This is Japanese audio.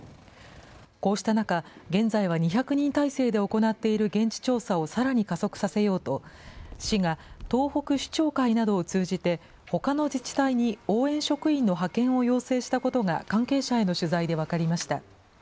こうした中、現在は２００人態勢で行っている現地調査をさらに加速させようと、市が東北市長会などを通じて、ほかの自治体に応援職員の派遣を要請したことが、関係者への取材で分かりました。